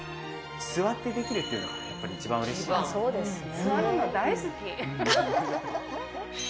座ってできるっていうのがやっぱり一番嬉しいですよね。